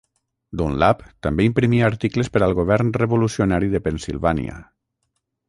Dunlap també imprimia articles per al govern revolucionari de Pennsilvània.